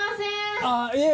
あっいえ